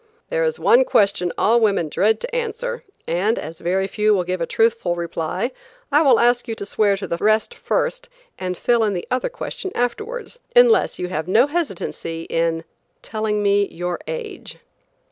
"There is one question all women dread to answer, and as very few will give a truthful reply, I will ask you to swear to the rest first and fill in the other question afterwards, unless you have no hesitancy in telling me your age."